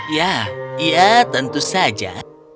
ya ya tentu saja